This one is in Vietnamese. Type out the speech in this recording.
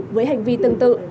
với hành vi tương tự